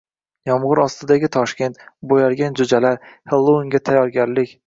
Yomg‘ir ostidagi Toshkent, bo‘yalgan jo‘jalar, Xellouinga tayyorgarlik